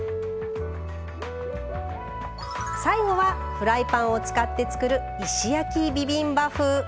最後はフライパンを使って作る石焼きビビンバ風。